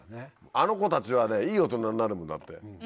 あの子たちはねいい大人になるもんだって。